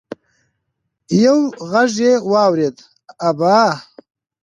يو غږ يې واورېد: ابا!